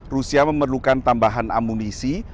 rusia memerlukan tambahan amunisi